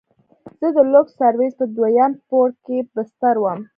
زه د لوکس سرويس په دويم پوړ کښې بستر وم.